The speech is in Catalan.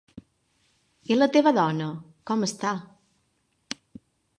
I la teva dona, com està?